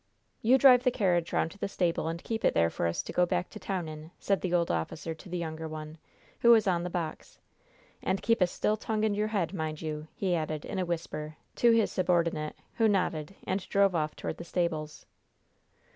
"You drive the carriage round to the stable, and keep it there for us to go back to town in," said the old officer to the younger one, who was on the box. "And keep a still tongue in your head, mind you!" he added, in a whisper, to his subordinate, who nodded, and drove off toward the stables.